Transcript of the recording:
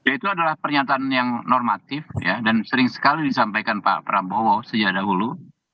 itu adalah pernyataan yang normatif dan sering sekali disampaikan pak prabowo sejak dahulu